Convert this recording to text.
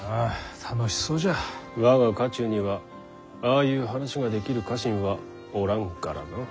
我が家中にはああいう話ができる家臣はおらんからな。